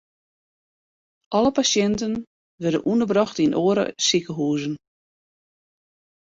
Alle pasjinten wurde ûnderbrocht yn oare sikehuzen.